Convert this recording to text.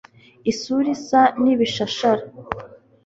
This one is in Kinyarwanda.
Isura isa nibishashara